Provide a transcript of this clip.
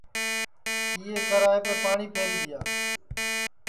کیئے کرائیپ پاٹؔی پھری دؔیا